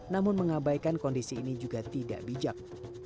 namun mengabaikan kondisi ini juga tidak bijak